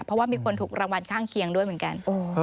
เพราะว่ามีคนถูกรางวัลข้างเคียงด้วยเหมือนกัน